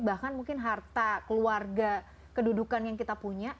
bahkan mungkin harta keluarga kedudukan yang kita punya